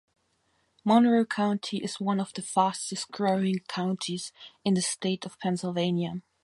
Monroe County is one of the fastest-growing counties in the state of Pennsylvania.